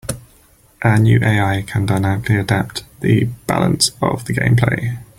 Our new AI can dynamically adapt the balance of the gameplay.